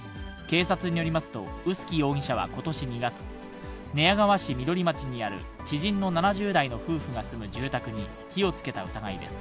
警察によりますと、臼杵容疑者はことし２月、寝屋川市緑町にある知人の７０代の夫婦が住む住宅に火をつけた疑いです。